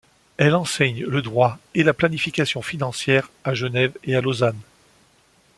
Elle enseigne le droit et la planification financière à Genève et à Lausanne.